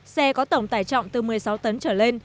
xe có tổng tải trọng từ một mươi sáu tấn trở lên